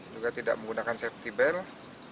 juga tidak menggunakan safety belt